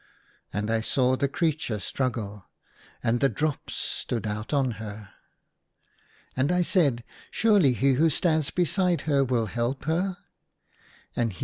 And I saw the creature struggle : and the drops stood out on her. And I said, " Surely he who stands beside her will help her ?"